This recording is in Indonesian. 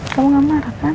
kamu ga marah kan